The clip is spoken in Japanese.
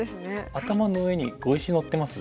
頭の上に碁石のってます？